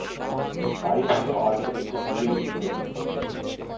বাড়ি থেকে অল্প কিছু দূরেই নদী।